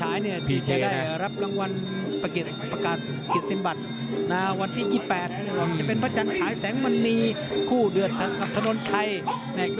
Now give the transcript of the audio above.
อ่านวันทรงไฉท์เท่านั้นเลยนะ